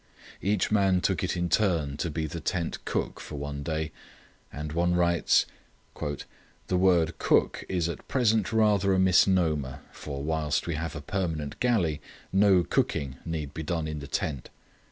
Each man took it in turn to be the tent "cook" for one day, and one writes: "The word 'cook' is at present rather a misnomer, for whilst we have a permanent galley no cooking need be done in the tent.